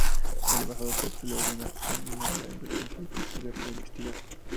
El embajador Fox le ordena a Kirk ignorar la advertencia y proceder a investigar.